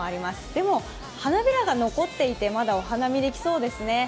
でも、花びらが残っていてまだお花見できそうですね。